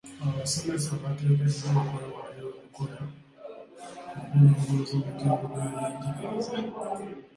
Abasomesa bateekeddwa okwewaayo okukola okulongoosa omutindo gw'ebyenjigiriza.